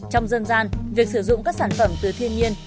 trong dân gian việc sử dụng các sản phẩm từ thiên nhiên